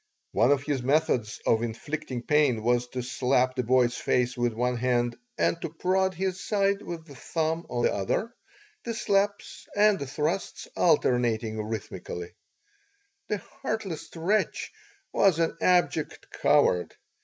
One of his methods of inflicting pain was to slap the boy's face with one hand and to prod his side with the thumb of the other, the slaps and the thrusts alternating rhythmically. This heartless wretch was an abject coward.